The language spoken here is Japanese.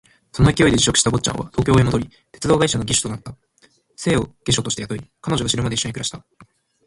その勢いで辞職した坊っちゃんは東京へ戻り、鉄道会社の技手となった。清を下女として雇い、彼女が死ぬまで一緒に暮らした。